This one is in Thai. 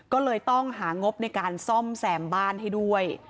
ก็เลยต้องหางบในการซ่อมแซมบ้านให้ด้วย